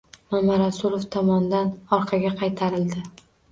Mamarasulov tomonidan orqaga qaytarildi